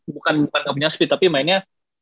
bukan gak punya speed tapi mainnya